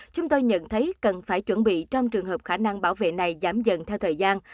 chúng tôi nhận thấy cần phải chuẩn bị trong trường hợp khả năng bảo vệ này giảm dần theo thời gian